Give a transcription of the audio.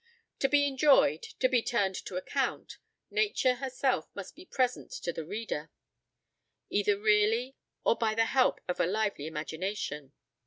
To be enjoyed, to be turned to account, Nature herself must be present to the reader, either really, or by the help of a lively imagination.